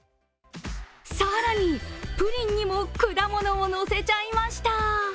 更に、プリンにも果物をのせちゃいました。